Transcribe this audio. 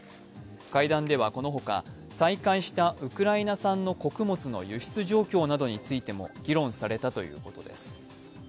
会談ではこの他、再開したウクライナ産の穀物の輸出状況などについても議論されたということです。